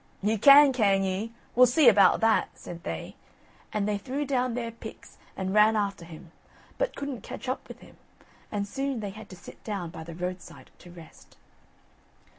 "Ye can, can ye? we'll see about that?" said they; and they threw down their picks and ran after him, but couldn't catch up with him, and soon they had to sit down by the roadside to rest.